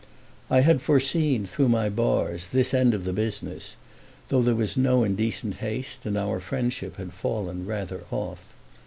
I had foreseen, through my bars, this end of the business, though there was no indecent haste and our friendship had fallen rather off.